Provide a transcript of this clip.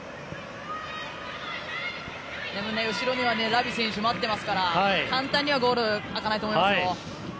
後ろにはラビ選手待ってますから簡単にはゴール空かないと思いますよ。